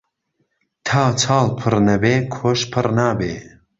تا چاڵ پڕ نەبێ کۆش پڕ نابێ